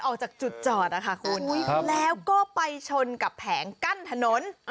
ออกจากจุดจอดนะคะคุณแล้วก็ไปชนกับแผงกั้นถนน